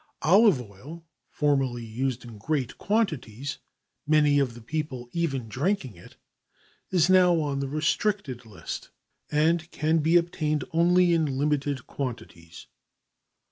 Olive oil, formerly used in great quantities, many of the people even drinking it, is now on the restricted list, and can be obtained only in limited quantities.